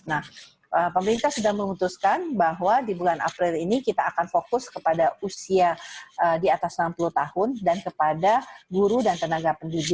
nah pemerintah sudah memutuskan bahwa di bulan april ini kita akan fokus kepada usia di atas enam puluh tahun dan kepada guru dan tenaga pendidik